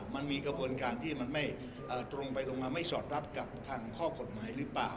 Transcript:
มันมีกระบวนการที่มันไม่ตรงไปตรงมาไม่สอดรับกับทางข้อกฎหมายหรือเปล่า